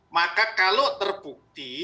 maka kalau terbukti